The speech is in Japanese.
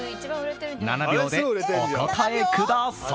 ７秒でお答えください。